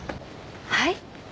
はい？